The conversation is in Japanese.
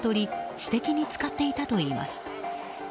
私的に使っていたといいます。